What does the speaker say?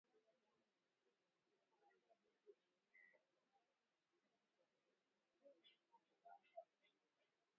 Ukraine yafanikiwa kuzishambulia meli za kivita za Russia